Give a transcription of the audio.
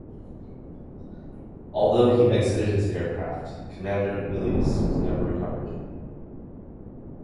Although he exited his aircraft, Commander Milius was never recovered.